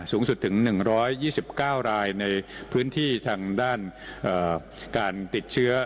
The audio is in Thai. สูงสุดถึง๑๒๙รายในพื้นที่ทางด้านการติดเชื้อ